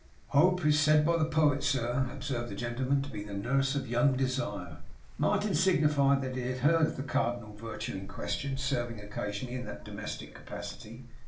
'Hope is said by the poet, sir,' observed the gentleman, 'to be the nurse of young Desire.' Martin signified that he had heard of the cardinal virtue in question serving occasionally in that domestic capacity.